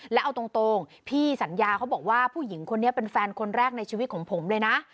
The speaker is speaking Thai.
แล้วเอาตรงพี่สัญญาเขาบอกว่าผู้หญิงคนนี้เป็นแฟนคนแรกในชีวิตของผมเลยนะ